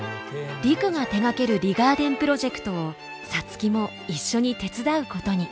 陸が手がけるリガーデンプロジェクトを皐月も一緒に手伝うことに。